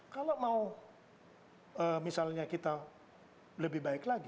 kalau mau misalnya kita lebih baik lagi